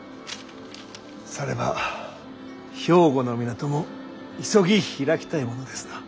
されば兵庫の港も急ぎ開きたいものですな。